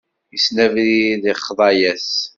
Issen abrid, ixḍa-yas.